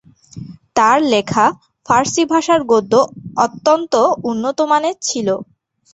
তার লেখা ফারসি ভাষার গদ্য অত্যন্ত উন্নত মানের ছিল।